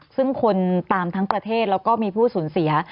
ซึ่งคนตามทั้งประเทศแล้วก็มีผู้สูญเสีย